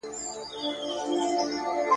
ستا قاتل سي چي دي زړه وي په تړلی .